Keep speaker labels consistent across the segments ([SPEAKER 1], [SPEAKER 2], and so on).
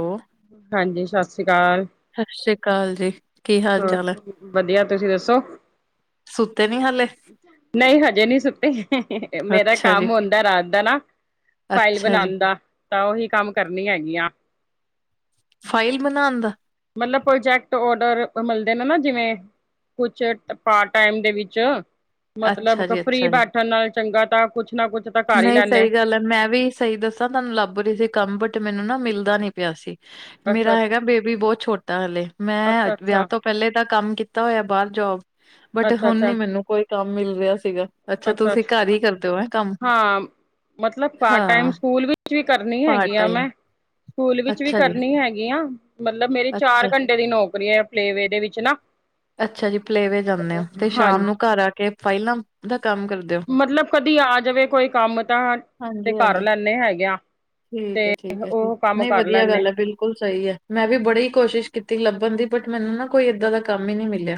[SPEAKER 1] ਓ
[SPEAKER 2] ਹਾਂਜੀ। ਸਸ ਸ੍ਰੀ ਅਕਾਲ।
[SPEAKER 1] ਸਸ ਸ਼੍ਰੀ ਅਕਾਲ ਜੀ। ਕੀ ਹਾਲ ਚਾਲ ਹੈ
[SPEAKER 2] ਹਾਂ, ਵਧੀਆ ਤੁਸੀਂ ਦੱਸੋ?
[SPEAKER 1] ਸੁੱਤੇ ਨੀ ਹਾਲੇ?
[SPEAKER 2] ਨਹੀਂ, ਹਜੇ ਨਹੀਂ ਸੁੱਤੇ। ਮੇਰਾ
[SPEAKER 1] ਅੱਛਾ ਜੀ
[SPEAKER 2] ਕੰਮ ਹੁੰਦਾ, ਰਾਤ ਦਾ ਨਾ। ਫਾਈਲ
[SPEAKER 1] ਅੱਛਾ ਜੀ
[SPEAKER 2] ਬਣਾਣ ਦਾ, ਤਾਂ ਉਹੀ ਕੰਮ ਕਰਨੀ ਹੈਗੀ ਆਂ।
[SPEAKER 1] ਫਾਈਲ ਬਣਾਨ ਦਾ?
[SPEAKER 2] ਮਤਲਬ ਪ੍ਰੋਜੈਕਟ ਔਡਰ। ਉਹ ਮਿਲਦੇ ਨੇ ਨਾ ਜਿਵੇਂ ਕੁੱਛ ਪਾਰ ਟਾਈਮ ਦੇ ਵਿੱਚ ਮਤਲਬ
[SPEAKER 1] ਅੱਛਾ
[SPEAKER 2] ਕਿ
[SPEAKER 1] ਜੀ
[SPEAKER 2] ਫਰੀ
[SPEAKER 1] ਅੱਛਾ ਜੀ
[SPEAKER 2] ਬੈਠਣ ਨਾਲ ਚੰਗਾ ਤਾਂ ਕੁੱਛ ਨਾ ਕੁੱਛ
[SPEAKER 1] ਨਹੀਂ, ਸਹੀ ਗੱਲ ਐ। ਮੈਂ ਵੀ ਸਹੀ ਦੱਸਾਂ ਤੁਹਾਨੂੰ ਲੱਭ ਰਹੀ ਸੀ ਕੰਮ, ਬਟ ਮੈਨੂੰ ਨਾ ਮਿਲਦਾ ਨੀ ਪਿਆ ਸੀ।
[SPEAKER 2] ਅੱਛਾ
[SPEAKER 1] ਮੇਰਾ
[SPEAKER 2] ਅੱਛਾ
[SPEAKER 1] ਹੈਗਾ ਬੇਬੀ ਬੋਤ ਛੋਟਾ ਹਲੇ, ਮੈਂ
[SPEAKER 2] ਅੱਛਾ
[SPEAKER 1] ਵਿਆਹ
[SPEAKER 2] ਅੱਛਾ
[SPEAKER 1] ਤੋਂ ਪੈਹਲੇ ਤਾਂ ਕੰਮ ਕੀਤਾ। ਤਾ ਹੋਇਆ ਬਾਰ ਜੋਬ ਬਟ,
[SPEAKER 2] ਅੱਛਾ
[SPEAKER 1] ਹੁਣ ਨੀ ਮੈਨੂੰ ਕੋਈ ਕੰਮ ਮਿਲ ਰਿਹਾ ਸੀਗਾ। ਅੱਛਾ, ਤੁਸੀਂ ਘਰ ਹੀ ਕਰਦੇ ਓ ਐ ਕੰਮ?
[SPEAKER 2] ਹਾਂ, ਮਤਲਬ ਪਾਰਟ ਟਾਈਮ
[SPEAKER 1] ਹਾਂ
[SPEAKER 2] ਸਕੂਲ ਵੀ ਵੀ ਕਰਨੀ
[SPEAKER 1] ਪਾਰਟ
[SPEAKER 2] ਹੈਗੀ ਆ,
[SPEAKER 1] ਟਾਈਮ
[SPEAKER 2] ਮੈਂ ਸਕੂਲ ਵਿੱਚ ਵੀ
[SPEAKER 1] ਅੱਛਾ ਜੀ
[SPEAKER 2] ਕਰਨੀ ਹੈਗੀ ਐਂ। ਮਤਲਬ ਮੇਰੇ ਚਾਰ
[SPEAKER 1] ਅੱਛਾ
[SPEAKER 2] ਘੰਟੇ ਡੇ ਦੀ ਨੌਕਰੀ ਹੈ, ਪਲੇਵੇ ਦੇ ਵਿੱਚ ਨਾ।
[SPEAKER 1] ਅੱਛਾ ਜੀ, ਪਲੇਵੇ ਜਾਂਦੇ ਹੋ ਤੇ ਸ਼ਾਮ
[SPEAKER 2] ਹਾਂਜੀ
[SPEAKER 1] ਨੂੰ ਘਰ ਆ ਕੇ ਫਾਈਲਾਂ ਦਾ ਕੰਮ ਕਰਦੇ ਹੋ
[SPEAKER 2] ਮਤਲਬ ਕਦੀ ਆ ਜਾਵੇ, ਕੋਈ ਕੰਮ ਤਾਂ ਤੇ ਕਰ
[SPEAKER 1] ਹਾਂਜੀ-ਹਾਂਜੀ,
[SPEAKER 2] ਲੈਣੇ ਹੈਗੇ ਆ।
[SPEAKER 1] ਠੀਕ
[SPEAKER 2] ਤੇ
[SPEAKER 1] ਐ-ਠੀਕ ਐ।
[SPEAKER 2] ਉਹ ਕੰਮ
[SPEAKER 1] ਨਹੀਂ,
[SPEAKER 2] ਕਰ
[SPEAKER 1] ਵਧੀਆ
[SPEAKER 2] ਲੈਂਦੇ
[SPEAKER 1] ਗੱਲ ਐ, ਬਿਲਕੁਲ ਸਹੀ ਐ। ਮੈਂ ਵੀ ਬੜੀ ਕੋਸ਼ਿਸ਼ ਕੀਤੀ, ਲੱਭਣ ਦੀ ਬਟ ਮੈਨੂੰ ਨਾ ਕੋਈ, ਏਦਾਂ ਦਾ ਕੰਮ ਹੀ ਨੀ ਮਿਲਿਆ।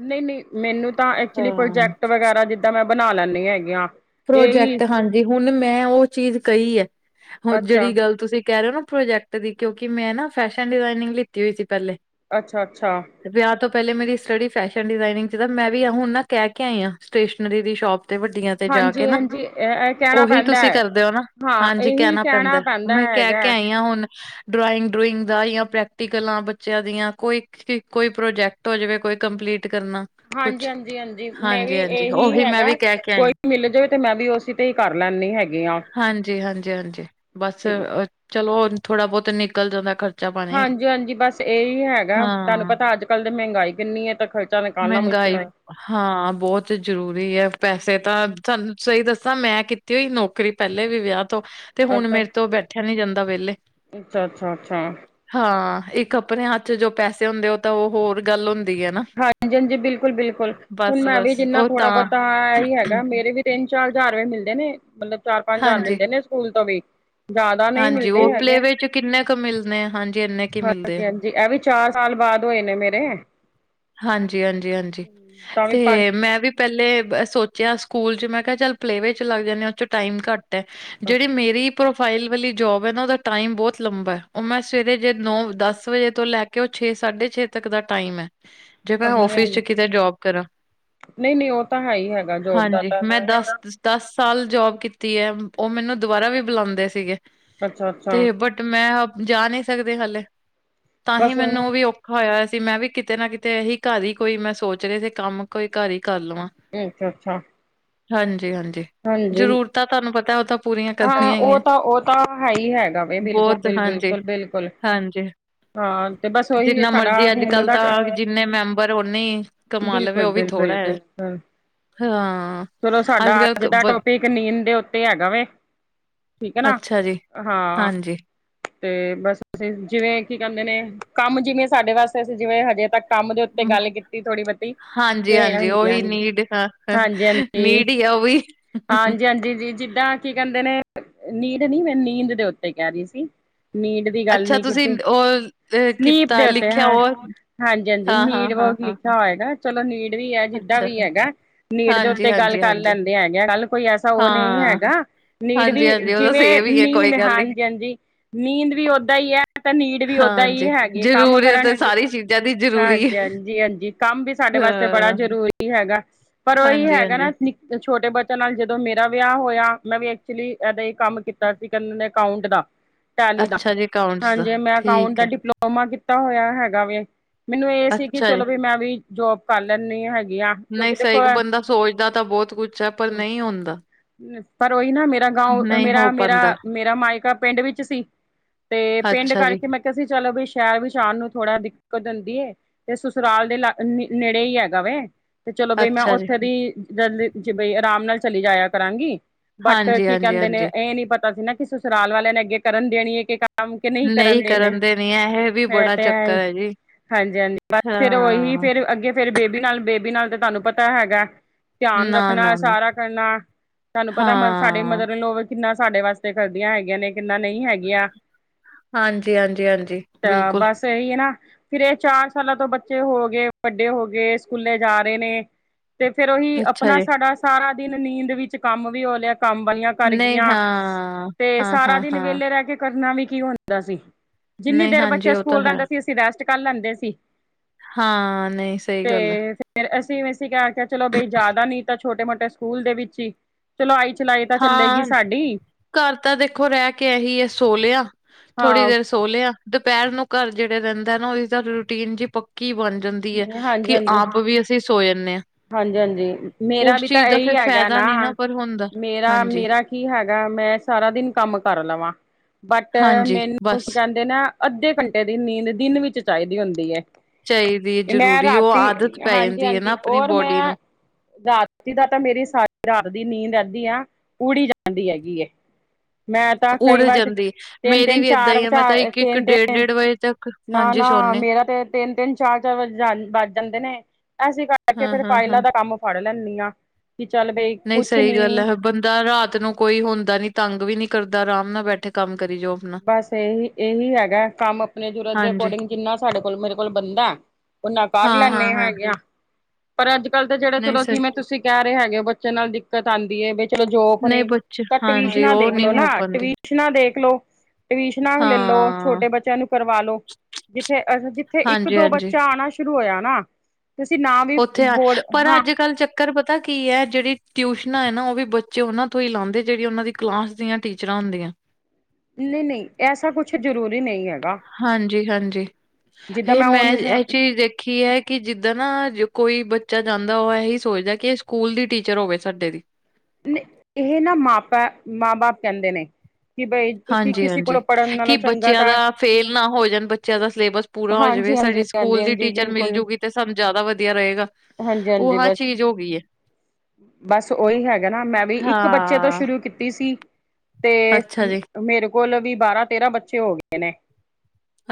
[SPEAKER 2] ਨਹੀਂ-ਨਹੀਂ, ਮੈਨੂੰ ਤਾਂ ਐਕਚੁਲੀ
[SPEAKER 1] ਹਾਂ,
[SPEAKER 2] ਪ੍ਰੋਜੈਕਟ ਵਗੈਰਾ ਜਿੱਦਾਂ ਮੈਂ ਬਣਾ ਲੈਂਨੀ ਹੈਗੀ ਆਂ।
[SPEAKER 1] ਪ੍ਰੋਜੈਕਟ ਹਾਂਜੀ। ਹੁਣ ਮੈਂ ਓ ਚੀਜ਼ ਕਹੀ ਐ। ਓ
[SPEAKER 2] ਅੱਛਾ
[SPEAKER 1] ਜੇਹੜੀ ਗੱਲ ਤੁਸੀਂ ਕੈ ਰਹੇ ਹੋ ਨਾ, ਪ੍ਰੋਜੈਕਟ ਤਬੀ ਕਿਉਂਕਿ ਮੈਂ ਨਾ ਫੈਸ਼ਨ ਡਿਜ਼ਾਇਨਿੰਗ ਲਿੱਤੀ ਹੋਈ ਸੀ, ਪਹਿਲੇ।
[SPEAKER 2] ਅੱਛਾ-ਅੱਛਾ।
[SPEAKER 1] ਵਿਆਹ ਤੋਂ ਪਹਿਲੇ ਮੇਰੀ ਸਟੱਡੀ ਫੈਸ਼ਨ ਡਿਜ਼ਾਇਨਿੰਗ ਚ ਤਾਂ ਮੈਂ ਵੀ ਆ ਹੁਣ ਨਾ, ਕਹਿ ਕੇ ਆਈ ਆ, ਸਟੇਸ਼ਨਰੀ ਦੀ ਸ਼ੋਪ ਤੇ ਵੱਡੀਆਂ ਤੇ ਜਾ ਕੇ
[SPEAKER 2] ਹਾਂਜੀ
[SPEAKER 1] ਨਾ,
[SPEAKER 2] ਹਾਂਜੀ ਇਹ ਕਹਿਣਾ
[SPEAKER 1] ਉਹੀ
[SPEAKER 2] ਪੈਂਦਾ
[SPEAKER 1] ਤੁਸੀਂ
[SPEAKER 2] ਹੈ
[SPEAKER 1] ਕਰਦੇ ਹੋ ਨਾ,
[SPEAKER 2] ਹਾਂ
[SPEAKER 1] ਹਾਂਜੀ।
[SPEAKER 2] ਇਹੀ
[SPEAKER 1] ਕਹਿਣਾ ਪੈਂਦਾ ਮੈਂ ਕਹਿ ਕੇ
[SPEAKER 2] ਹੈਗਾ
[SPEAKER 1] ਆਈ ਹਾਂ ਹੁਣ ਡਰਾਇੰਗ- ਡਰੂਇੰਗ ਦਾ ਜਾਂ ਪ੍ਰੈਕਟੀਕਲਾ ਬੱਚਿਆਂ ਦੀਆਂ ਕੋਈ ਸੀ ਕੋਈ ਪ੍ਰੋਜੈਕਟ ਹੋ ਜਾਵੇ, ਕੋਈ ਕੰਪਲੀਟ ਕਰਨਾ।
[SPEAKER 2] ਹਾਂਜੀ,
[SPEAKER 1] ਕੁਛ
[SPEAKER 2] ਹਾਂਜੀ ਹਾਂਜੀ। ਮੈਂ ਵੀ
[SPEAKER 1] ਹਾਂਜੀ
[SPEAKER 2] ਇਹੀ
[SPEAKER 1] ਉਹੀ ਮੈਂ
[SPEAKER 2] ਹੈਗਾ
[SPEAKER 1] ਵੀ ਕਹਿ ਕੇ ਆਈ
[SPEAKER 2] ਕੋਈ ਮਿਲ ਜੇ ਤੇ ਮੈਂ ਵੀ ਉਸ ਤੇ ਹੀ ਕਰ ਲੈਂਨੀ ਹੈਗੀ ਆ।
[SPEAKER 1] ਹਾਂਜੀ-ਹਾਂਜੀ ਹਾਂਜੀ। ਬਸ, ਚਲੋ ਥੋੜਾ ਬਹੁਤ ਨਿਕਲ ਜਾਂਦਾ ਖਰਚ
[SPEAKER 2] ਹਾਂਜੀ-ਹਾਂਜੀ। ਬਸ ਇਹ ਹੀ ਹੈਗਾ, ਤਾਨੂੰ
[SPEAKER 1] ਹਾਂ
[SPEAKER 2] ਪਤਾ ਅੱਜ ਕੱਲ ਤੇ ਮਹਿੰਗਾਈ ਕਿੰਨੀ ਐ ਤਾਂ ਖਰਚਾ ਨਿਕਾਲਣਾ ਮ
[SPEAKER 1] ਤਾਈ, ਹਾਂ ਬਹੁਤ ਜ਼ਰੂਰੀ ਐ, ਪੈਸੇ ਤਾਂ ਤਾਨੂੰ ਸਹੀ ਦੱਸਾਂ ਮੈਂ ਕੀਤੀ ਹੋਈ ਨੌਕਰੀ ਪਹਿਲੇ ਵੀ ਵਿਆਹ ਤੋਂ, ਤੇ ਹੁਣ ਮੇਰੇ ਤੋਂ ਬੈਠ ਠਿਆ ਨੀ ਜਾਂਦਾ ਵਿਹਲੇ।
[SPEAKER 2] ਅੱਛਾ-ਅੱਛਾ ਅੱਛਾ।
[SPEAKER 1] ਹਾਂ, ਇੱਕ ਆਪਣੇ ਹੱਥ ਚ ਜੋ ਪੈਸੇ ਹੁੰਦੇ। ਉਹ ਤਾਂ ਉਹ ਹੋਰ ਗੱਲ ਹੁੰਦੀ ਐ ਨਾ।
[SPEAKER 2] ਹਾਂਜੀ-ਹਾਂਜੀ, ਬਿਲਕੁਲ- ਬਿਲਕੁਲ, ਹੁਣ ਮੈਂ ਵੀ
[SPEAKER 1] ਬਸ-ਬਸ
[SPEAKER 2] ਜਿੰਨਾ
[SPEAKER 1] ਉਹ
[SPEAKER 2] ਥੋੜਾ
[SPEAKER 1] ਤਾਂ
[SPEAKER 2] ਬਹੁਤਾ ਏਹੀ ਹੈਗਾ ਮੇਰੇ ਵੀ ਤਿੰਨ-ਚਾਰ ਹਜ਼ਾਰ ਮਿਲਦੇ ਨੇ ਮਤਲਬ ਚਾਰ- ਪੰਜ ਹਜ਼ਾਰ
[SPEAKER 1] ਹਾਂਜੀ।
[SPEAKER 2] ਮਿਲਦੇ ਨੇ ਸਕੂਲ ਤੋਂ ਵੀ ਜ਼ਿਆਦਾ ਨਹੀਂ
[SPEAKER 1] ਹਾਂਜੀ।
[SPEAKER 2] ਮਿਲਦੇ
[SPEAKER 1] ਉਹ
[SPEAKER 2] ਹੈਗੇ
[SPEAKER 1] ਪਲੇਵੇ ਵਿੱਚ ਕਿੰਨੇ ਕੁ ਮਿਲਣੇ ਐ, ਹਾਂਜੀ। ਇੰਨੇ ਕੀ ਮਿਲਦੇ ਐ।
[SPEAKER 2] ਜੀ ਇਹ ਵੀ ਚਾਰ ਸਾਲ ਬਾਅਦ ਹੋਏ ਨੇ ਮੇਰੇ।
[SPEAKER 1] ਹਾਂਜੀ-ਹਾਂਜੀ-ਹਾਂਜੀ ਸਹੀ ਐ
[SPEAKER 2] ਤਾਂ ਵੀ ਪੰਜ
[SPEAKER 1] ਤੇ ਮੈਂ ਵੀ ਪਹਿਲੇ ਸੋਚਿਆ ਸਕੂਲ ਚ ਮੈਂ ਕਿਹਾ ਚੱਲ ਪਲੇਵੇ ਚ ਲੱਗ ਜਾਂਦੇ ਆ। ਉਸ ਚ ਟਾਈਮ ਘੱਟ ਘੱਟ ਐ, ਜੇੜੀ ਮੇਰੀ ਪ੍ਰੋਫਾਈਲ ਵਾਲੀ ਜੋਬ ਐ ਨਾ ਉਹਦਾ ਟਾਈਮ ਬੋਤ ਲੰਬਾ ਅ। ਉਹ ਮੈਂ ਸਵੇਰੇ ਜੇ ਨੌ -ਦਸ ਵਜੇ ਤੋਂ ਲੈ ਕੇ ਕਿ ਉਹ ਛੇ-ਸਾਢੇ ਛੇ ਤੱਕ ਦਾ ਟਾਈਮ ਐ। ਜੇ ਮੈਂ
[SPEAKER 2] ਨਹੀਂ
[SPEAKER 1] ਆਫ਼ਿਸ ਚ ਕਿਤੇ ਜੋਬ ਕਰਾਂ।
[SPEAKER 2] ਨਹੀਂ ਨਹੀਂ ਉਹ ਤਾਂ ਹੈ ਹੀ ਹੈਗਾ ਜੋਬ ਦਾ
[SPEAKER 1] ਹਾਂਜੀ
[SPEAKER 2] ਤਾਂ
[SPEAKER 1] ਮੈਂ ਦੱਸ
[SPEAKER 2] ਹੈਗਾ।
[SPEAKER 1] ਦਸ ਸਾਲ ਜੋਬ ਕੀਤੀ ਐ। ਉਹ ਮੈਨੂੰ ਦੁਬਾਰਾ ਵੀ ਬੁਲਾਉਂਦੇ ਸੀਗੇ।
[SPEAKER 2] ਅੱਛਾ ਅੱਛਾ
[SPEAKER 1] ਤੇ ਬਟ ਤੇ ਮੈਂ ਜਾ ਨਹੀਂ ਸਕਦੀ ਹਲੇ, ਤਾਂ ਹੀ
[SPEAKER 2] ਬਸ
[SPEAKER 1] ਮੈਨੂੰ ਉਹ ਵੀ ਔਖਾ ਹੋਇਆ ਸੀ ਮੈਂ ਵੀ ਕਿਤ ਤੇ ਮੈ ਕਿਤੇ ਨੀ ਘਰ ਹੀ ਕੋਈ ਮੈਂ ਸੋਚ ਰਹੇ ਸੀ ਕੰਮ ਕੋਈ ਘਰ ਹੀ ਕਰ ਲਵਾਂ।
[SPEAKER 2] ਅੱਛਾ ਅੱਛਾ।
[SPEAKER 1] ਹਾਂਜੀ-ਹਾਂਜੀ।
[SPEAKER 2] ਹਾਂਜੀ
[SPEAKER 1] ਜ਼ਰੂਰਤਾਂ ਤਾਨੂੰ ਪਤਾ ਉਤਾ
[SPEAKER 2] ਹਾਂ ਉਹ ਤਾਂ- ਉਹ ਤਾਂ ਹੈ ਹੀ ਹੈਗਾ ਵੇ ਬਿਲਕੁਲ
[SPEAKER 1] ਬਹੁਤ
[SPEAKER 2] ਬਿਲ-
[SPEAKER 1] ਹਾਂਜੀ
[SPEAKER 2] ਬਿਲਕੁਲ ਬਿਲਕੁਲ।
[SPEAKER 1] ਹਾਂਜੀ
[SPEAKER 2] ਹਾਂ, ਤੇ ਬਸ ਉਹੀ ਐ ਸਾਡਾ ਹੁਣ ਦਾ
[SPEAKER 1] ਹੋਰ ਜਿੰਨੇ ਮੈਂਬਰ ਉਨੇ ਈ, ਕਮਾ ਲਵੇ
[SPEAKER 2] ਬਿਲਕੁਲ
[SPEAKER 1] ਉਹ ਵੀ
[SPEAKER 2] ਬਿਲ
[SPEAKER 1] ਥੋੜਾ
[SPEAKER 2] ਬਿਲ
[SPEAKER 1] ਹੈ।
[SPEAKER 2] ਬਿਲਕੁਲ
[SPEAKER 1] ਹਾਂ
[SPEAKER 2] ਚਲੋ ਸਾਡਾ ਅੱਜ ਦਾ ਟੋਪਿਕ ਨੀਂਦ ਦੇ ਉੱਤੇ ਹੈਗਾ ਵੇ। ਠੀਕ ਐ ਨਾ,
[SPEAKER 1] ਅੱਛਾ ਜੀ
[SPEAKER 2] ਹਾਂ।
[SPEAKER 1] ਹਾਂਜੀ
[SPEAKER 2] ਤੇ ਬਸ ਅਸੀਂ ਜਿਵੇਂ ਕੀ ਕਹਿੰਦੇ ਨੇ, ਕੰਮ ਜਿਵੇਂ ਸਾਡੇ ਵਾਸਤੇ ਅਸੀਂ ਜਿਵੇਂ ਹਜੇ ਤੱਕ ਕੰਮ ਦੇ ਉੱਤੇ ਗੱਲ ਕੀਤੀ ਥੋੜ੍ਹੀ ਵੱਡੀ। ਤੇ
[SPEAKER 1] ਹਾਂਜੀ-ਹਾਂਜੀ ਉਹੀ
[SPEAKER 2] ਹਾਂਜੀ-ਹਾਂਜ,
[SPEAKER 1] ਨੀਡ ਹਾਂ
[SPEAKER 2] ਹਾਂਜੀ-ਹਾਂਜੀ
[SPEAKER 1] ਨੀਡ ਹੀ ਆ ਉਹ ਵੀ।
[SPEAKER 2] ਹਾਂਜੀ, ਹਾਂਜੀ ਜਿੱਦਾਂ ਕੀ ਕਹਿੰਦੇ ਨੇ, ਨੀਂਦ ਨੀ ਮੈਂ ਨੀਂਦ ਦੇ ਉੱਤੇ ਕਹਿ ਰਹੀ ਸੀ। ਨੀਂਦ ਦੀ ਗੱਲ
[SPEAKER 1] ਅੱਛਾ
[SPEAKER 2] ਨੀ
[SPEAKER 1] ਤੁਸੀਂ
[SPEAKER 2] ਕੀਤੀ।
[SPEAKER 1] ਉਹ ਅ,
[SPEAKER 2] ਸਲੀਪ
[SPEAKER 1] ਕੀਤਾ
[SPEAKER 2] ਦੇ ਉੱਤੇ ਹ
[SPEAKER 1] ਲਿਖਿਆ ਉਹ
[SPEAKER 2] ਹਾਂਜੀ- ਹਾਂਜੀ, ਨੀਡ ਵਰਕ
[SPEAKER 1] ਹਾਂ-ਹਾਂ-ਹਾਂ-ਹਾਂ
[SPEAKER 2] ਲਿਖਿਆ ਹੋਏਗਾ। ਚਲੋ ਨੀਡ ਵੀ ਹੈ, ਜਿੱਦਾਂ
[SPEAKER 1] ਅੱਛਾ
[SPEAKER 2] ਵੀ ਹੈਗਾ ਨੇਟ ਦੇ ਉੱਤੇ ਗੱਲ ਕਰ
[SPEAKER 1] ਹਾਂਜੀ-ਹਾਂਜੀ-ਹਾਂਜੀ
[SPEAKER 2] ਲੈਂਦੇ ਹੈਜੇ ਗੱਲ ਕੋਈ ਐਸਾ ਉਹ ਨਹੀਂ
[SPEAKER 1] ਹਾਂ
[SPEAKER 2] ਹੈਗਾ। ਨੀਡ ਵੀ
[SPEAKER 1] ਹਾਂਜੀ-ਹਾਂਜੀ ਉਹ ਤਾਂ
[SPEAKER 2] ਜਿਵੇਂ
[SPEAKER 1] ਸੇਮ ਹੀ ਹੈ ਕੋਈ
[SPEAKER 2] ਨੀਂਦ।
[SPEAKER 1] ਗੱਲ ਨੀ
[SPEAKER 2] ਹਾਂਜੀ ਹਾਂਜੀ। ਨੀਂਦ ਵੀ ਓਦਾਂ ਈ ਐ ਤਾਂ ਨੀਡ ਵੀ ਓਦਾਂ ਹੀ
[SPEAKER 1] ਹਾਂਜੀ।
[SPEAKER 2] ਹੈਗੀ ਕੰਮ
[SPEAKER 1] ਜ਼ਰੂਰੀਅਤ
[SPEAKER 2] ਕਰਨ,
[SPEAKER 1] ਹੈ, ਸਾਰੀ ਚੀਜ਼ਾਂ ਦੀ ਜ਼ਰੂਰੀ ਹੈ।
[SPEAKER 2] ਹਾਂਜੀ। ਹਾਂਜੀ ਹਾਂਜੀ। ਕਾੰਮ ਵੀ ਸਾਡੇ ਵਾਸਤੇ ਬੜਾ
[SPEAKER 1] ਹਾਂ
[SPEAKER 2] ਜ ਈ ਹੈਗਾ, ਪਰ ਓਈ ਹੈਗਾ
[SPEAKER 1] ਹਾਂਜੀ-ਹਾਂਜੀ।
[SPEAKER 2] ਨਾ, ਨਿਕ ਛੋਟੇ ਬੱਚੇਆਂ ਨਾਲ ਜਦੋਂ ਮੇਰਾ ਵੇਆ ਹੋਏਆ ਮੈਂ ਵੀ ਐਕਚੁਲੀ ਐਦਾ ਈ ਕਾੰਮ ਕੀਤਾ ਸੀ, ਕੈਂਦੇ ਨੇ ਅਕਾਊਂਟ ਦਾ। ਚਾਲੀ ਦਾ,
[SPEAKER 1] ਅੱਛਾ ਜੀ ਅਕਾਊਂਟਸ ਦਾ
[SPEAKER 2] ਹਾਂਜੀ, ਮੈਂ ਅਕਾਊਂਟ
[SPEAKER 1] ਠੀਕ
[SPEAKER 2] ਦਾ
[SPEAKER 1] ਹੈ
[SPEAKER 2] ਡਿਪਲੋਮ ਔਮਾਂ ਕੀਤਾ ਹੋਏਆ ਹੈਗਾ ਵੇ, ਮੈਨੂੰ ਏ ਸੀ ਕਿ
[SPEAKER 1] ਅੱਛਾ ਜੀ।
[SPEAKER 2] ਚਲੋ ਵੀ ਮੈਂ ਵੀ ਜੋਬ ਕਾਰ ਲੈਨੀ ਹੈਗੀਆਂ
[SPEAKER 1] ਨਈ ਸਈਕ ਬੰਦਾ ਸੋਚਦਾ ਤਾਂ ਬੋਤ ਕੁੱਛ ਹੈ, ਪਰ ਨਈ ਹੁੰਦਾ
[SPEAKER 2] ਪਰ ਓਈ ਨਾ, ਮੇਰਾ ਗਾਂਓ,
[SPEAKER 1] ਨਹੀਂ ਹੋ
[SPEAKER 2] ਮੇਰਾ,
[SPEAKER 1] ਪਾਂਦਾ
[SPEAKER 2] ਮੇਰਾ, ਮੇਰਾ ਮਾਏਕਾ ਪਿੰਡ ਵਿੱਚ ਸੀ। ਤੇ ਪਿੰਡ
[SPEAKER 1] ਅੱਛਾ ਜੀ
[SPEAKER 2] ਕਾਰਕੇ ਮੈਂ ਕੇਆ ਸੀ ਚਲੋ ਵੀ ਸ਼ਐਰ ਵਿੱਚ ਆਨ ਨੂੰ ਥੋੜਾ ਦਿੱਕਤ ਦੇਂਦੀ ਏ। ਤੇ ਸੁਸੁਰਾਲ ਦੇ ਲ ਨੇੜੇ ਈ ਹੈਗਾ ਵੇ। ਤੇ ਚਲੋ ਬਈ, ਮੈਂ
[SPEAKER 1] ਅੱਛਾ ਜੀ
[SPEAKER 2] ਓਥੇ ਦੀ ਜਲੀ ਬਈ ਅਰਾਮ ਨਾਲ ਚਲੀ ਜਾਏਆ ਕਰਾਂਗੀ। ਬਟ, ਕੀ ਕੈਂਦੇ ਨੇ,
[SPEAKER 1] ਹਾਂਜੀ-ਹਾਂਜੀ-ਹਾਂਜੀ।
[SPEAKER 2] ਏ ਨੀ ਪਤਾ ਸੀ ਨਾ ਕਿ ਸੂਸਰਾਲ ਵਾਲੈਆਂ ਨੇ ਅੱਗੇ ਕਰਨ ਦੇਣੀ ਏ ਕੇ ਕਾ ਕਾੰਮ ਕੇ ਨਹੀ
[SPEAKER 1] ਨਹੀਂ
[SPEAKER 2] ਕਰਨ ਦੇਨੇ,
[SPEAKER 1] ਦੇ ਨੀ ਹੈ ਇਹ ਵੀ
[SPEAKER 2] ਮੈਂ
[SPEAKER 1] ਬੜਾ
[SPEAKER 2] ਤੇ ਹੈ
[SPEAKER 1] ਚੱਕਰ
[SPEAKER 2] ਈ।
[SPEAKER 1] ਜੀ
[SPEAKER 2] ਹਾਂਜੀ-ਹਾਂਜੀ ਬਾੱਸ ਫੇਰ ਓਹੀ,
[SPEAKER 1] ਹਾਂ
[SPEAKER 2] ਫੇਰ ਅੱਗੇ ਫੇਰ ਬੇਬੀ ਨਾਲ, ਬੇਬੀ ਨਾਲ, ਤੇ ਤੂਆਨੂੰ ਪਤਾ ਹੈਗੈ, ਧੇਆਨ
[SPEAKER 1] ਨਾ
[SPEAKER 2] ਰੱਖਨਾ,
[SPEAKER 1] ਨਾ ਨਾ
[SPEAKER 2] ਸਾਰਾ ਕਰਨਾ ਪਤੈ ਮਰ ਸਾਡੇ
[SPEAKER 1] ਹਾਂ
[SPEAKER 2] ਮਦਰ ਇਨ ਲੌ ਵੇ, ਕਿੱਨਾ ਸਾਡੇ ਵਾਸਤੇ ਕਰਦੀਆਂ ਹੈਗੀਆਂ ਨੇ, ਕਿੰਨਾ ਨਈ ਹੈਗੀਆਂ।
[SPEAKER 1] ਹਾਂਜੀ, ਹਾਂਜੀ, ਹਾਂਜੀ, ਬਿਲਕੁਲ।
[SPEAKER 2] ਸਹੀ ਏ ਨਾ, ਫਿਰ ਏ ਚਾਰ ਸਾਲਾਂ ਤੋਂ ਬੱਚੇ ਹੋਗੇ, ਵੱਡੇ ਹੋਗੇ, ਸਕੂਲੇ ਜਾਰੇ ਨੇ। ਤੇ ਫੇਰ ਓਹੀ
[SPEAKER 1] ਅੱਛਾ
[SPEAKER 2] ਅਪਨਾ,
[SPEAKER 1] ਜੀ
[SPEAKER 2] ਸਾਡਾ ਸਾਰਾ ਦਿਨ ਨੀਂਦ ਵਿੱਚ, ਕਾੰਮ ਵੀ ਹੋ ਲੇਆ, ਕਾੰਮ ਵਾਲੀਆਂ ਕਾਰ
[SPEAKER 1] ਨਹੀਂ
[SPEAKER 2] ਗਿਆਂ,
[SPEAKER 1] ਹਾਂ
[SPEAKER 2] ਤੇ
[SPEAKER 1] ਹਾਂ
[SPEAKER 2] ਸਾਰਾ
[SPEAKER 1] ਹਾਂ
[SPEAKER 2] ਦਿਨ
[SPEAKER 1] ਹਾਂ
[SPEAKER 2] ਵੇਲੇ ਰੈ ਕੇ ਕਰਨਾ ਵੀ ਕੀ ਹੁੰਦੈ ਅਸੀ। ਜਿੰਨੀ
[SPEAKER 1] ਨਹੀਂ
[SPEAKER 2] ਦੇਰ
[SPEAKER 1] ਹਾਂਜੀ
[SPEAKER 2] ਬੱਚੇ
[SPEAKER 1] ਉਹ ਤਾਂ
[SPEAKER 2] ਸਕੂਲ
[SPEAKER 1] ਹੈ
[SPEAKER 2] ਰੈਂਦੇ ਸੀ, ਅਸੀ ਰੈਸਟ ਕਾਰ ਲੈਂਦੇ ਸੀ।
[SPEAKER 1] ਹਾਂ, ਨਈ, ਸਈ ਗੱਲ ਐ।
[SPEAKER 2] ਤੇ ਫੇਰ ਅਸੀ ਵੇਸੀ ਕੇ ਆਖੇਆ ਚਲੋ ਬਈ ਜਾਦਾ ਨੀ ਤਾਂ ਛੋਟੇ-ਮੋਟੇ ਸੂਕੂਲ ਦੇ ਵਿੱਚ ਈ। ਚਲੋ ਆਈ ਚਲਾਈ ਤਾਂ ਚੱਲੇਗੀ ਸਾਡੀ।
[SPEAKER 1] ਘਾਰ ਤਾਂ ਦੇਖੋ, ਰੈ ਕੇ ਐਹੀ ਏ, ਸੋ ਲੇਆ, ਥੋੜ੍ਹੀ
[SPEAKER 2] ਹਾਂ
[SPEAKER 1] ਦੇਰ ਸੌ ਲੇਆ, ਦੁਪੈਰ ਨੂੰ ਘਾਰ ਜੇੜੇ ਰੈਂਦਾ ਨਾ, ਓਦੀ ਤਾ ਰੂਟੀਨ ਜੀ ਪੱਕੀ ਬਾਨ ਜਾਂਦੀ ਏ ਕਿ ਆਪ ਵੀ ਅਸੀ ਸੋ ਜਾਨੇ ਆ।
[SPEAKER 2] ਹਾਂਜੀ-ਹਾਂਜੀ ਮੇਰਾ ਵੀ ਤਾ ਐਈ ਹੈਗਾ
[SPEAKER 1] ਫਾਇਦਾ
[SPEAKER 2] ਨਾ,
[SPEAKER 1] ਨਹੀਂ ਪਰ ਹੁੰਦਾ ਹਾਂਜੀ
[SPEAKER 2] ਮੇਰਾ-ਮੇਰਾ ਕੀ ਹੈਗਾ, ਮੈਂ ਸਾਰਾ ਦਿਨ ਕਾੰਮ ਕਾਰ ਲਵਾਂ, ਬਟ
[SPEAKER 1] ਹਾਂਜੀ
[SPEAKER 2] ਮੈਨੂੰ ਕੀ
[SPEAKER 1] ਬਸ
[SPEAKER 2] ਕੈਂਦੇ ਨਾ ਅੱਧੇ ਘੰਟੇ ਦੀ ਨੀਂਦ ਦਿਨ ਵਿੱਚ ਚਾਈਦੀ ਹੁੰਦੀ ਏ।
[SPEAKER 1] ਚਾਈਦੀ ਏ ਜਰੂਰੀ, ਓ ਆਦਤ ਪੈ
[SPEAKER 2] ਹਾਂਜੀ
[SPEAKER 1] ਜਾਂਦੀ ਏ ਨਾ, ਅਪਨੀ ਬੋਡੀ ਨੂੰ।
[SPEAKER 2] ਤੀ ਦਾ ਤਾਂ ਮੇਰੀ ਸਾਰੀ ਰਾਤ ਦੀ ਨੀਂਦ ਐੱਦੀ ਆਂ, ਉੜ ਈ ਜਾਂਦੀ ਹੈਗੀ ਏ। ਮੈਂ ਤਾਂ
[SPEAKER 1] ਉੜ
[SPEAKER 2] ਕਈ ਵਾਰੀ,
[SPEAKER 1] ਜਾਂਦੀ ਮੇਰੀ
[SPEAKER 2] ਤਿੰਨ-ਤਿੰਨ
[SPEAKER 1] ਵੀ ਏਦਾਂ ਹੀ ਆ ਮੈਂ ਤਾਂ
[SPEAKER 2] ਚਾਰ-ਚਾਰ,
[SPEAKER 1] ਇੱਕ ਇੱਕ ਡੇਢ
[SPEAKER 2] ਤਿੰਨ-ਤਿੰਨ
[SPEAKER 1] ਡੇਢ ਵਜੇ ਤੱਕ ਹਾਂਜੀ
[SPEAKER 2] ਨਾ-ਨਾ
[SPEAKER 1] ਸੋਨੇ
[SPEAKER 2] ਮੇਰਾ ਤੇ ਤਿੰਨ-ਤਿੰਨ ਚਾਰ ਸਵਜ ਜਾਨ ਵਾੱਜ ਜਾਂਦੇ ਨੇ, ਐਸੀ ਕਾਰਕੇ
[SPEAKER 1] ਹਾਂ
[SPEAKER 2] ਫੇਰ
[SPEAKER 1] ਹਾਂ
[SPEAKER 2] ਫਾਈਲਾਂ
[SPEAKER 1] ਹਾਂ
[SPEAKER 2] ਦਾ ਕਾੰਮ ਫਾੜ ਲੈਂਨੀ ਆਂ ਵੀ ਚੱਲ ਬਈ
[SPEAKER 1] ਨਈ
[SPEAKER 2] ਕੁਛ
[SPEAKER 1] ਸਈ ਗਾੱਲ
[SPEAKER 2] ਨੀ
[SPEAKER 1] ਐ ਹਬ ਬੰਦਾ ਰਾਤ ਨੂੰ ਕੋਈ ਹੋਂਦਾ ਨੀ, ਤਾੰਗ ਵੀ ਨੀ ਕਰਦਾ ਰਾਮ ਨਾਲ ਬੈਠੇ ਕਾੰਮ ਕਰੀ ਜਾਓ। ਆਪਣਾ
[SPEAKER 2] ਬਾੱਸ ਏਹੀ-ਏਹੀ ਹੈਗੈ, ਕਾੰਮ ਅਪਨੀ ਜ਼ਰੂਰਤ ਦੇ
[SPEAKER 1] ਹਾਂਜੀ
[SPEAKER 2] ਐਕੋਰਡਿੰਗ ਜਿੰਨਾ ਸਾਡੇ ਕੋਲ, ਮੇਰੇ ਕੋਲ ਬਨਦੈ ਓਨਾਂ ਕਾਰ
[SPEAKER 1] ਹਾਂ ਹਾਂ
[SPEAKER 2] ਲੈਂਨੇ
[SPEAKER 1] ਹਾਂ
[SPEAKER 2] ਹੈਗੇ ਆ। ਪਰ ਅੱਜ-ਕੱਲ ਤਾਂ ਜੇੜੇ
[SPEAKER 1] ਨਹੀਂ
[SPEAKER 2] ਚਲੋ
[SPEAKER 1] ਸਹੀ
[SPEAKER 2] ਜਿਵੇਂ ਤੂਸੀ ਕੈਰੇ ਹੈਗੇ ਓ, ਬੱਚੇਆਂ ਨਾਲ ਦਿੱਕਤ ਆਂਦੀ ਏ ਬਈ ਚਲੋ ਜੋ
[SPEAKER 1] ਨਹੀਂ
[SPEAKER 2] ਅਪਨੀ,
[SPEAKER 1] ਬੱਚੇ
[SPEAKER 2] ਪਰ
[SPEAKER 1] ਹਾਂਜੀ
[SPEAKER 2] ਟਵਿਸ਼ਨਾਂ
[SPEAKER 1] ਉਹ ਨਹੀਂ
[SPEAKER 2] ਦੇਖਲੋ ਨਾ,
[SPEAKER 1] ਹੋ ਪਾਉਂਦੀ
[SPEAKER 2] ਟਵਿਸ਼ਨਾਂ ਦੇਖਲੋ ਟਿਊਸ਼ਨਾਂ ਲੈਲੋ,
[SPEAKER 1] ਹਾਂ
[SPEAKER 2] ਛੋਟੇ ਬੱਚੇਆਂ ਨੂੰ ਕਰਵਾਲੋ, ਜਿੱਥੇ ਅ ਜਿੱਥੇ
[SPEAKER 1] ਹਾਂਜੀ
[SPEAKER 2] ਇੱਕ-ਦੋ
[SPEAKER 1] ਹਾਂਜੀ
[SPEAKER 2] ਬੱਚਾ ਆਣਾ ਸ਼ੁ ਸ਼ੁਰੂ ਹੋਏਆ ਨਾ ਤੁਸੀਂ ਨਾ ਵੀ
[SPEAKER 1] ਓਥੇ ਆ,
[SPEAKER 2] ਬੋਰਡ
[SPEAKER 1] ਪਰ
[SPEAKER 2] ਹਾਂ
[SPEAKER 1] ਅੱਜ-ਕੱਲ ਚ ਕਰ ਪਤੈ ਕੀ ਐ ਜੜੀ ਟਿਊਸ਼ਨਾਂ ਐ ਨਾ ਓ ਵੀ ਬੱਚੇ ਓਨਾਂ ਥੋਂ ਈ ਲਾਂਦੇ ਜੇੜੀ ਓਨਾਂ ਦੀ ਕਲਾਸ ਦੀਆਂ ਟੀਚਰਾਂ ਹੁੰਦੀਐਂ।
[SPEAKER 2] ਨਈ-ਨਈ ਐਸਾ ਕੁਛ ਜਰੂਰੀ ਨਈ ਹੈਗਾ।
[SPEAKER 1] ਹਾਂਜੀ-ਹਾਂਜੀ,
[SPEAKER 2] ਜਿੱਦਾਂ
[SPEAKER 1] ਫੇਰ ਮੈਂ
[SPEAKER 2] ਹੁਣ
[SPEAKER 1] ਐ ਚੀਜ ਦੇਖੀ ਐ ਕਿ ਜਿੱਦਾਂ ਨਾ ਜੇ ਕੋਈ ਬੱਚਾ ਜਾਂਦਾ ਓ ਐਹੀ ਸੋਚਦੈ ਕਿ ਐ ਸਕੂਲ ਦੀ ਟੀਚਰ ਹੋਵੇ ਸਾਡੇ ਦੀ।
[SPEAKER 2] ਨ ਏਹ ਨਾ ਮਾਂ ਪਾ, ਮਾਂ ਬਾਪ ਕੈਂਦੇ ਨੇ। ਕਿ ਬਈ ਤੁਸੀਂ ਕਿਸੇ
[SPEAKER 1] ਹਾਂਜੀ-ਹਾਂਜੀ
[SPEAKER 2] ਕੋਲੋਂ ਪੜ੍ਹਨ
[SPEAKER 1] ਕਿ
[SPEAKER 2] ਨਾਲੋਂ ਚੰਗਾ
[SPEAKER 1] ਬੱਚੇਆਂ ਦਾ
[SPEAKER 2] ਤਾਂ
[SPEAKER 1] ਫੇਲ ਨਾ ਹੋ ਜਾਣ ਬੱਚੇਆਂ ਦਾ ਸਲੇਬਸ ਪੂਰਾ ਹੋ ਜਵੇ।
[SPEAKER 2] ਹਾਂਜੀ ਹਾਂਜੀ
[SPEAKER 1] ਸਾਡੀ
[SPEAKER 2] ਹਾਂਜੀ
[SPEAKER 1] ਸਕੂਲ ਦੀ
[SPEAKER 2] ਹਾਂਜੀ
[SPEAKER 1] ਟੀਚਰ
[SPEAKER 2] ਬਿਲਕੁਲ
[SPEAKER 1] ਮਿਲਜੂਗੀ ਤੇ ਸਾਨੂੰ ਜਾਦਾ ਵਧੀਆ ਰਏਗਾ।
[SPEAKER 2] ਹਾਂਜੀ
[SPEAKER 1] ਓ
[SPEAKER 2] ਹਾਂਜੀ
[SPEAKER 1] ਹਾ
[SPEAKER 2] ਬਸ
[SPEAKER 1] ਚੀਜ਼ ਹੋ ਗੀ ਐ।
[SPEAKER 2] ਬਸ ਓਈ ਹੈਗੈ ਨਾ। ਮੈਂ ਵੀ ਇੱਕ ਬੱਚੇ ਤੋਂ
[SPEAKER 1] ਹਾਂ
[SPEAKER 2] ਸ਼ੁਰੂ ਕੀਤੀ ਸੀ ਤੇ
[SPEAKER 1] ਅੱਛਾ ਜੀ
[SPEAKER 2] ਮੇਰੇ ਕੋਲ ਅਭੀ ਬਾਰਾਂ ਤੇਰਾਂ ਬੱਚੇ ਹੋ ਗੇ ਨੇ।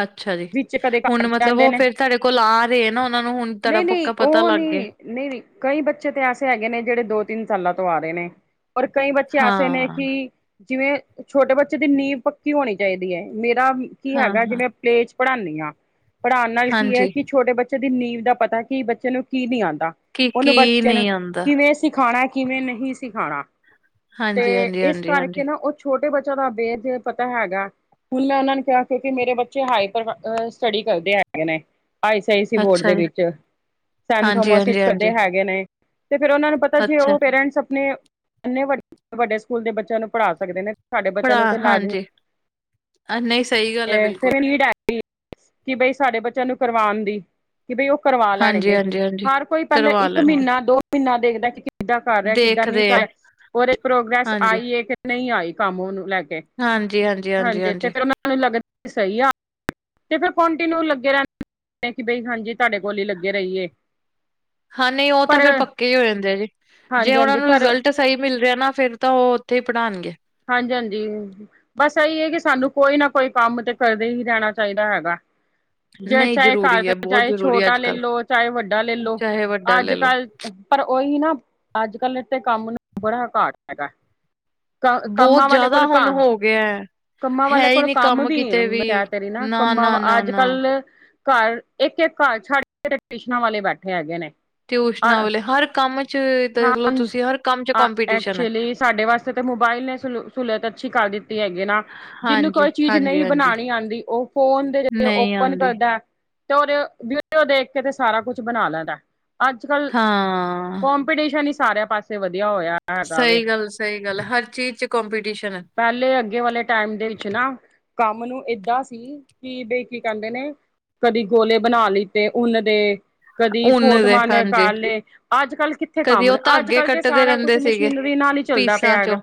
[SPEAKER 1] ਅੱਛਾ ਜੀ।
[SPEAKER 2] ਵਿੱਚ ਕਦੇ
[SPEAKER 1] ਹੁਣ
[SPEAKER 2] ਘੱਟ
[SPEAKER 1] ਮਤਲਬ
[SPEAKER 2] ਜਾਂਦੇ
[SPEAKER 1] ਓ
[SPEAKER 2] ਨੇ
[SPEAKER 1] ਫੇਰ ਤਾਡੇ ਕੋਲ ਆ ਰੇ ਐ ਨਾ ਓਨਾਂ ਨੂੰ ਹੁਣ ਤੁਆਡਾ ਪੱਕਾ ਪਤਾ ਲੱਗ ਗਿਐ।
[SPEAKER 2] ਨਈ-ਨਈ ਕਈ ਬੱਚੇ ਤੇ ਐਸੇ ਹੈਗੇ ਨੇ ਜੜੇ ਦੋ-ਤਿੰਨ ਸਾਲਾਂ ਤੋਂ ਆ ਰੇ ਨੇ। ਔਰ ਕਈ ਬੱਚੇ ਐਸੇ ਨੇ
[SPEAKER 1] ਹਾਂ
[SPEAKER 2] ਕਿ ਜਿਵੇਂ ਛੋਟੇ ਬੱਚੇ ਦੀ ਨੀਂਵ ਪੱਕੀ ਹੋਣੀ ਚਾਈਦੀ ਏ। ਮੇਰਾ ਕੀ
[SPEAKER 1] ਹਾਂ
[SPEAKER 2] ਹੈਗਾ
[SPEAKER 1] ਹਾਂ
[SPEAKER 2] ਜਿਵੇਂ ਪਲੇ 'ਚ ਪੜ੍ਹਾਂਨੀ ਆਂ। ਪੜਾਨ ਨਾਲ ਕੀ ਐ
[SPEAKER 1] ਹਾਂਜੀ
[SPEAKER 2] ਕਿ ਛੋਟੇ ਬੱ ਚੇ ਦੀ ਨੀਂਵ ਦਾ ਪਤੈ ਕੀ ਬੱਚੇ ਨੂੰ ਕੀ ਨੀ ਆਂਦਾ।
[SPEAKER 1] ਕੀ
[SPEAKER 2] ਓਨੂੰ
[SPEAKER 1] ਕੀ
[SPEAKER 2] ਬੱਚੇ ਨੂੰ
[SPEAKER 1] ਨਹੀਂ ਆਉਂਦਾ
[SPEAKER 2] ਕਿਵੇਂ ਸਿਖਾਣੈ ਕਿਵੇਂ ਨਹੀਂ ਸਿਖਾਣਾ
[SPEAKER 1] ਹਾਂਜੀ
[SPEAKER 2] ਤੇ
[SPEAKER 1] ਹਾਂਜੀ
[SPEAKER 2] ਇਸ
[SPEAKER 1] ਹਾਂਜੀ ਹਾਂਜੀ
[SPEAKER 2] ਕਰਕੇ ਨਾ ਓ ਛੋਟੇ ਬੱਚੇਆਂ ਦਾ ਬੇ ਜ ਪਤਾ ਹੈਗੈ ਹੁਣ ਮੈਂ ਓਨਾਂ ਨੂੰ ਕਿਆ ਕਿਉਂਕਿ ਮੇਰੇ ਬੱਚੇ ਹਾਈਪਰ ਬ ਅ ਸਟਡੀ ਕਰਦੇ ਹੈਗੇ ਨੇ ਆਈ ਸੀ ਆਈ ਸੀ ਬੋਰਡ
[SPEAKER 1] ਅੱਛਾ
[SPEAKER 2] ਦੇ
[SPEAKER 1] ਜੀ
[SPEAKER 2] ਵਿੱਚ। ਸੈਨ
[SPEAKER 1] ਹਾਂਜੀ
[SPEAKER 2] ਥੋਮਸ
[SPEAKER 1] ਹਾਂਜੀ
[SPEAKER 2] ਇੱਚ
[SPEAKER 1] ਹਾਂਜੀ
[SPEAKER 2] ਪੜਦੇ ਹੈਗੇ ਨੇ ਤੇ ਫੇਰ ਓਨਾਂ ਪਤੈ ਜੇ
[SPEAKER 1] ਅੱਛਾ,
[SPEAKER 2] ਓ ਪੇਰੈਂਟਸ ਆਪਣੇ ਏਨੇ ਵ ਵੱਡੇ ਸਕੂਲ ਦੇ ਬੱਚੇਆਂ ਨੂੰ ਪੜ੍ਹਾ ਸਕਦੇ ਨੇ ਸਾਡੇ ਬੱਚੇਆਂ ਨੂੰ ਵੀ
[SPEAKER 1] ਪੜ੍ਹਾ
[SPEAKER 2] ਤੇ ਲਾਜ ਈ,
[SPEAKER 1] ਹਾਂਜੀ, ਅ, ਨਹੀਂ ਸਹੀ ਗੱਲ ਹੈ
[SPEAKER 2] ਤੇ
[SPEAKER 1] ਬਿਲਕੁਲ।
[SPEAKER 2] ਫੇਰ ਏ ਨੀਡ ਐ ਕਿ ਬਈ ਸਾਡੇ ਬੱਚੇਆਂ ਨੂੰ ਕਰਵਾਨ ਦੀ ਕਿ ਬਈ ਓ ਕਰਵਾ
[SPEAKER 1] ਹਾਂਜੀ,
[SPEAKER 2] ਲੈਣਗੇ।
[SPEAKER 1] ਹਾਂਜੀ, ਹਾਂਜੀ
[SPEAKER 2] ਹਰ ਕੋਈ ਪੈਲੇ
[SPEAKER 1] ਕਰਵਾ
[SPEAKER 2] ਇੱਕ
[SPEAKER 1] ਲੈਣਗੇ,
[SPEAKER 2] ਮੀਨ੍ਹਾਂ, ਦੋ ਮੀਨ੍ਹਾ ਦੇਖਦੈ ਕਿ ਕਿੱਦਾਂ ਕਰ ਰੇਐ, ਕਿੱਦਾਂ ਨੀ
[SPEAKER 1] ਦੇਖਦੇ ਆ।
[SPEAKER 2] ਕਰ ਔਰ ਏ ਪ੍ਰੋਗ੍ਰੈਸ
[SPEAKER 1] ਹਾਂਜੀ,
[SPEAKER 2] ਆਈ ਏ ਕੇ ਨਈ ਆਈ ਕੰਮ ਓਨੂੰ ਲੈ ਕੇ।
[SPEAKER 1] ਜੀ, ਹਾਂਜੀ-ਹਾਂਜੀ।
[SPEAKER 2] ਏੱਥੇ ਤੇ ਓਨਾਂ ਨੂੰ ਲੱਗਦ ਸਈ ਆ। ਤੇ ਫੇਰ ਕੋਂਟੀਨਿਊ ਲੱਗੇ ਰੈਂਦੇ ਕਿ ਬਈ ਹਾਂਜੀ ਤੁਆਡੇ ਕੋਲ ਈ ਲੱਗੇ ਰਈਏ।
[SPEAKER 1] ਹਾਂ ਨਈ ਓ ਤਾਂ ਫੇਰ ਪੱਕੇ ਏ ਹੋਏ ਹੁੰਦੇ ਆ ਜੀ ਜੇ
[SPEAKER 2] ਹਾਂਜੀ
[SPEAKER 1] ਓਨਾਂ
[SPEAKER 2] ਹਾਂਜੀ
[SPEAKER 1] ਨੂੰ
[SPEAKER 2] ਪਰ
[SPEAKER 1] ਰਿਜ਼ਲਟ ਸਈ ਮਿਲ ਰੇਆ ਨਾ ਫੇਰ ਤਾਂ ਓ ਓਥੇ ਈ ਪੜਾਣਗੇ।
[SPEAKER 2] ਹਾਂਜੀ-ਹਾਂਜੀ। ਬਸ ਓਈ ਏ ਕਿ ਸਾਨੂੰ ਕੋਈ ਨਾ ਕੋਈ ਕੰਮ ਤੇ ਕਰਦੇ ਹੀ ਰੈਣਾ ਚਾਈਦਾ ਹੈਗਾ। ਜਦ
[SPEAKER 1] ਨਹੀਂ
[SPEAKER 2] ਚਾਏ ਘਾਰ
[SPEAKER 1] ਜ਼ਰੂਰੀ ਹੈ, ਬਹੁਤ
[SPEAKER 2] ਚਾਏ
[SPEAKER 1] ਜ਼ਰੂਰੀ ਹੈ
[SPEAKER 2] ਛੋਟਾ ਲੇਲ
[SPEAKER 1] ਅੱਜ-ਕੱਲ੍ਹ।
[SPEAKER 2] ਲੋਂ ਚਾਹੇ ਵੱਡਾ ਲੇਲ ਲੋ।
[SPEAKER 1] ਚਾਹੇ ਵੱਡਾ
[SPEAKER 2] ਅੱਜ
[SPEAKER 1] ਲੈ ਲੋ,
[SPEAKER 2] ਕਾੱਲ ਪਰ ਓਈ ਨਾ ਅੱਜ ਕਾੱਲ ਤੇ ਕੰਮ ਨੂੰ ਬੜਾ ਘਾਟ ਹੈਗੈ। ਕ
[SPEAKER 1] ਬਹੁਤ
[SPEAKER 2] ਕੰਮਾਂ ਵਾਲੇ
[SPEAKER 1] ਜ਼ਿਆਦਾ
[SPEAKER 2] ਕੋਲ
[SPEAKER 1] ਹੁਣ
[SPEAKER 2] ਕਾਮ
[SPEAKER 1] ਹੋ ਗਿਆ ਹੈ।
[SPEAKER 2] ਕੰਮਾਂ ਵਾਲੇ
[SPEAKER 1] ਹੈ ਹੀ
[SPEAKER 2] ਕੋਲ
[SPEAKER 1] ਨੀ
[SPEAKER 2] ਕੰਮ ਵੀ ਅ
[SPEAKER 1] ਕਿਤੇ
[SPEAKER 2] ਮੈਂ ਕੈ ਤੇ ਰੀ ਨਾ ਕੰਮਾਂ ਵ ਅੱਜ ਕਾੱਲ ਘਰ ਏੱਕ-ਏੱਕ ਘਰ ਛੱਡ ਕੇ ਤੇ ਟਿਊਸ਼ਨਾਂ ਵਾਲੇ ਬੈਠੇ ਹੈਗੇ ਨੇ।
[SPEAKER 1] ਟਿਊਸ਼ਨਾਂ
[SPEAKER 2] ਅ
[SPEAKER 1] ਵਾਲੇ ਹਰ ਕੰਮ 'ਚ ਦੇਖਲੋ
[SPEAKER 2] ਹਾਂ
[SPEAKER 1] ਤੁਸੀਂ ਹਰ ਕੰਮ 'ਚ
[SPEAKER 2] ਆ
[SPEAKER 1] ਕੰਪੀਟੀਸ਼ਨ ਹੈ,
[SPEAKER 2] ਐਕਚੁਲੀ ਸਾਡੇ ਵਾਸੇ ਤੇ ਮੋਬਾਇਲ ਨੇ ਸੁਲੁ ਸੁਲਤ ਅੱਛੀ ਕਰ ਦਿੱਤੀ ਹੈਗੀ ਏ ਨਾ। ਜਿੰਨੂ
[SPEAKER 1] ਹਾਂਜੀ,
[SPEAKER 2] ਕੋਈ ਚੀਜ
[SPEAKER 1] ਹਾਂਜੀ,
[SPEAKER 2] ਨਈ
[SPEAKER 1] ਹਾਂਜੀ।
[SPEAKER 2] ਬਣਾਣੀ ਆਂਦੀ ਓ ਫੋਨ ਦੇ [unintelligible]
[SPEAKER 1] ਨਹੀਂ
[SPEAKER 2] ਓਪਨ
[SPEAKER 1] ਆਂਦੀ
[SPEAKER 2] ਕਰਦੈ ਤੇ ਔਰ ਵੀਡੀਓ ਦੇਖ ਕੇ ਤੇ ਸਾਰਾ ਕੁਛ ਬਣਾ ਲੈਂਦੈ। ਅੱਜ ਕੱਲ
[SPEAKER 1] ਹਾਂ
[SPEAKER 2] ਕੋ ਪੀਟੀਸ਼ਨ ਹੀ ਸਾਰੇਆਂ ਪਾਸੇ ਵਧੇਆ ਹੋਏਐ।
[SPEAKER 1] ਸਈ ਗੱਲ-ਸਈ ਗੱਲ ਐ। ਹਰ ਚੀਜ਼ 'ਚ ਕੋਂਪੀਟੀਸ਼ਨ ਐ।
[SPEAKER 2] ਪੈਲੇ ਅੱਗੇ ਵਾਲੇ ਟਾਈਮ ਦੇ ਵਿੱਚ ਨਾ ਕੰਮ ਨੂੰ ਏਦਾਂ ਸੀ ਕੀ ਬਈ ਕੀ ਕੈਂਦੇ ਨੇ ਕਦੀ ਗੋਲੇ ਬਨਾ ਲਿਤੇ ਉਨ ਦੇ ਕਦੀ
[SPEAKER 1] ਉੱਨ ਦੇ
[SPEAKER 2] ਫੋਟਵਾਂ
[SPEAKER 1] ਹਾਂਜੀ
[SPEAKER 2] ਨਿਕਾਲ ਲਏ ਅੱਜ-ਕੱਲ੍ਹ ਕਿੱਥੇ
[SPEAKER 1] ਕਦੀ
[SPEAKER 2] ਕੰਮ ਨ,
[SPEAKER 1] ਉਹ ਧਾਗੇ
[SPEAKER 2] ਅੱਜ-ਕੱਲ੍ਹ ਤੇ
[SPEAKER 1] ਕੱਟਦੇ
[SPEAKER 2] ਸਾਰਾ ਕੁਛ
[SPEAKER 1] ਰਹਿੰਦੇ ਸੀਗੇ
[SPEAKER 2] ਮਸ਼ੀਨਰੀ ਨਾਲ ਹੀ ਚੱਲਦਾ
[SPEAKER 1] ਪੀਸਾਂ
[SPEAKER 2] ਪਿਆ
[SPEAKER 1] ਚੋਂ
[SPEAKER 2] ਹੈਗਾ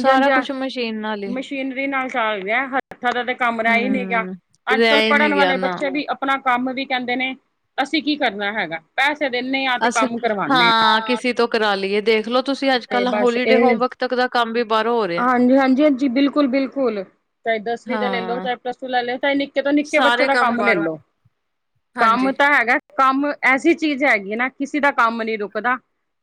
[SPEAKER 1] ਸਾਰਾ
[SPEAKER 2] ਹਾਂ,
[SPEAKER 1] ਕੁਛ ਮਸ਼ੀਨ ਨਾਲ ਹੀ
[SPEAKER 2] ਮਸ਼ੀਨਰੀ ਨਾਲ ਚੱਲ ਰਿਹੈ ਹੱਥਾਂ ਦਾ ਤਾਂ ਕੰਮ ਰੈ ਈ ਨਈ ਗਿਆ
[SPEAKER 1] ਹੂੰ
[SPEAKER 2] ਅੱਜ-ਕੱਲ੍ਹ
[SPEAKER 1] ਰਹਿ ਹੀ
[SPEAKER 2] ਪੜ੍ਹਨ
[SPEAKER 1] ਨਹੀਂ ਗਿਆ
[SPEAKER 2] ਵਾਲੇ
[SPEAKER 1] ਨਾ
[SPEAKER 2] ਬੱਚੇ ਵੀ ਆਪਣਾ ਕੰਮ ਵੀ ਕਹਿੰਦੇ ਨੇ ਅਸੀਂ ਕੀ ਕਰਨਾ ਹੈਗਾ ਪੈਸੇ ਦੇਨੇ ਆਂ ਤੇ
[SPEAKER 1] ਅਸੀਂ
[SPEAKER 2] ਕੰਮ ਕਰਵਾਨੇ
[SPEAKER 1] ਹਾਂ
[SPEAKER 2] ਆਂ
[SPEAKER 1] ਕਿਸੇ ਤੋਂ ਕਰਾ ਲਈਏ ਦੇਖਲੋ ਤੁਸੀਂ ਅੱਜ
[SPEAKER 2] ਤੇ
[SPEAKER 1] ਕੱਲ
[SPEAKER 2] ਬਸ
[SPEAKER 1] ਹੋਲੀਡੇ ਹੋਮਵਰਕ ਤੱਕ ਦਾ ਕੰਮ ਵੀ ਬਾਹਰੋਂ ਹੋ ਰਿਹਾ
[SPEAKER 2] ਹਾਂਜੀ-ਹਾਂਜੀ-ਹਾਂਜੀ, ਬਿਲਕੁਲ-ਬਿਲਕੁਲ ਚਾਏ ਦਸਵੀਂ ਦਾ ਲੈ ਲੋ,
[SPEAKER 1] ਹਾਂ
[SPEAKER 2] ਚਾਏ ਪਲੱਸ ਟੂ ਲੈ ਲੋ ਚਾਏ ਨਿੱਕੇ ਤੋਂ ਨਿੱਕੇ ਬੱਚੇ
[SPEAKER 1] ਸਾਰੇ
[SPEAKER 2] ਦਾ ਕੰਮ
[SPEAKER 1] ਬਾਹਰੋਂ
[SPEAKER 2] ਲੈਲੋ
[SPEAKER 1] ਹਾਂਜੀ
[SPEAKER 2] ਹਿਨਾ, ਕੰਮ ਐਸੀ ਚੀਜ਼ ਹੈਗੀ ਨਾ ਕਿਸੇ ਦਾ ਕੰਮ ਨਹੀਂ ਰੁਕਦਾ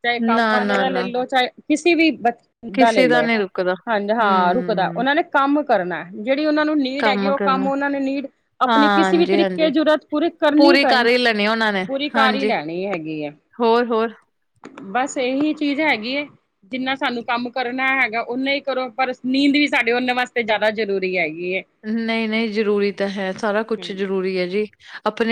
[SPEAKER 2] ਚਾਏ ਕੰਮ
[SPEAKER 1] ਨਾ
[SPEAKER 2] ਵਾਲੇ
[SPEAKER 1] ਨਾ
[SPEAKER 2] ਦਾ ਲੈ
[SPEAKER 1] ਨਾ
[SPEAKER 2] ਲੋ ਚਾਹੇ ਕਿਸੀ ਵੀ ਬ ਜਿਦਾ ਲੈ
[SPEAKER 1] ਕਿਸੇ ਦਾ
[SPEAKER 2] ਲੈ
[SPEAKER 1] ਨਹੀਂ ਰੁਕਦਾ
[SPEAKER 2] ਹਾਂਜੀ ਹਾਂ ਰੁਕਦਾ
[SPEAKER 1] ਹੂੰ
[SPEAKER 2] ਓਹਨਾਂ ਨੇ ਕੰਮ ਕਰਨੈ, ਜਿਹੜੀ ਉਹਨਾਂ ਨੂੰ ਨੀਡ ਹੈਗੀ ਓਹ ਕੰਮ ਓਹਨਾਂ ਨੇ ਨੀਡ ਆਪਣੀ ਕਿਸੀ ਵੀ
[SPEAKER 1] ਹਾਂਜੀ ਹਾਂਜੀ
[SPEAKER 2] ਤਰੀਕੇ ਜੂਰਤ ਪੂਰੀ ਕਰਨੀ ਕਰਨੀ
[SPEAKER 1] ਕਰ ਹੀ ਲੈਣੀ ਉਹਨਾਂ ਨੇ
[SPEAKER 2] ਪੂਰੀ ਕਾਰ ਹੀ
[SPEAKER 1] ਹਾਂਜੀ
[SPEAKER 2] ਲੈਣੀ ਹੈਗੀ ਐ
[SPEAKER 1] ਹੋਰ-ਹੋਰ
[SPEAKER 2] ਬਸ ਏਹੀ ਚੀਜ਼ ਹੈਗੀ ਏ ਜਿੰਨਾ ਸਾਨੂੰ ਕੰਮ ਕਰਨਾ ਹੈਗਾ ਓਨਾ ਹੀ ਕਰੋ ਪਰ ਨੀਂਦ ਵੀ ਸਾਡੇ ਉਹਨਾਂ ਵਾਸਤੇ ਜਾਦਾ ਜਰੂਰੀ ਹੈਗੀ ਏ
[SPEAKER 1] ਨਹੀਂ-ਨਹੀਂ, ਜਰੂਰੀ ਤਾਂ ਹੈ ਸਾਰਾ ਕੁਛ
[SPEAKER 2] ਏ।
[SPEAKER 1] ਜਰੂਰੀ ਹੈ ਜੀ ਆਪਣੇ